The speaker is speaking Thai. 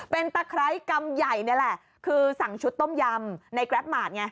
เป็นตะไคร้กำใหญ่นี่แหละคือสั่งชุดต้มยำในแกรปมาร์ทไง